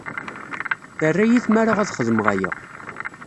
Terra-iyi tmara ad xedmeɣ aya.